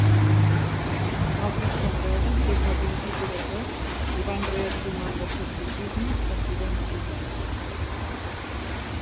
Altres camarades, des del principi de tot, hi van reaccionar amb escepticisme o s'hi van oposar.